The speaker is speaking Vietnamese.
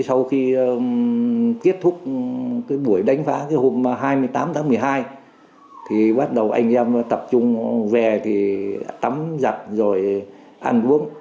sau khi kết thúc cái buổi đánh phá hôm hai mươi tám tháng một mươi hai thì bắt đầu anh em tập trung về thì tắm giặt rồi ăn uống